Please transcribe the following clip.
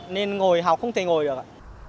nên ngồi học không thể ngồi được ạ